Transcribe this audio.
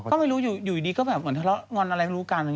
ก็ไม่รู้อยู่ดีก็เหมือนเท่านั้นงอนอะไรรู้กัน